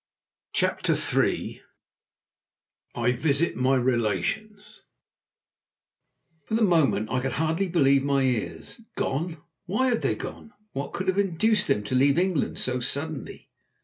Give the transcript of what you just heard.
"_ CHAPTER III I VISIT MY RELATIONS For the moment I could hardly believe my ears. Gone? Why had they gone? What could have induced them to leave England so suddenly?